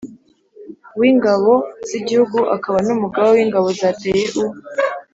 w'ingabo z'igihugu akaba n'umugaba w'ingabo zateye u